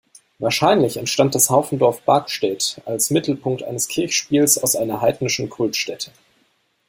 Wahrscheinlich entstand das Haufendorf Bargstedt als Mittelpunkt eines Kirchspiels aus einer heidnischen Kultstätte.